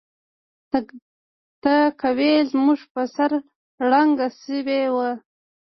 تهکوي زموږ په سر ړنګه شوې وه